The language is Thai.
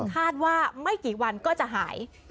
คาดว่าไม่กี่วันก็จะหาย